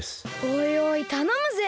おいおいたのむぜ。